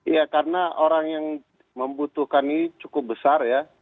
ya karena orang yang membutuhkan ini cukup besar ya